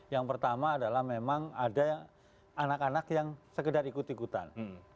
yang pertama adalah memang ada anak anak yang sekedar ikut ikutan